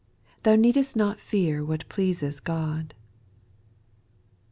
thou need'st not fear What pleases God.